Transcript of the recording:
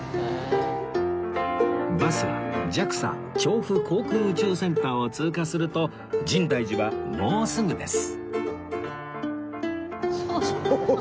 バスは ＪＡＸＡ 調布航空宇宙センターを通過すると深大寺はもうすぐです